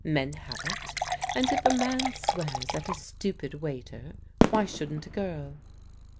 Men have it And if a man swears at a stupid waiter, why shouldn't a girl